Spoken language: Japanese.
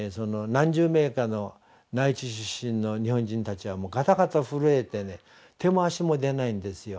何十名かの内地出身の日本人たちはガタガタ震えて手も足も出ないんですよ。